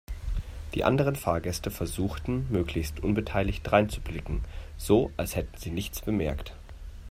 Die anderen Fahrgäste versuchten möglichst unbeteiligt dreinzublicken, so als hätten sie nichts bemerkt.